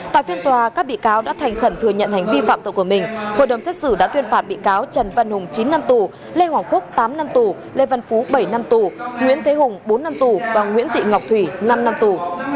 tại phiên tòa các bị cáo đã thành khẩn thừa nhận hành vi phạm tội của mình hội đồng xét xử đã tuyên phạt bị cáo trần văn hùng chín năm tù lê hoàng phúc tám năm tù lê văn phú bảy năm tù nguyễn thế hùng bốn năm tù và nguyễn thị ngọc thủy năm năm tù